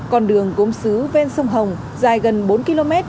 con đường gốm xứ ven sông hồng dài gần bốn km